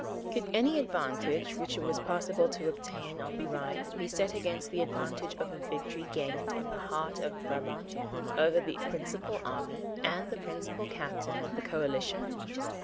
Could any advantage which it was possible to obtain on the Rhine be set against the advantage of a victory gained in the heart of Brabant over the principal army and the principal captain of the coalition?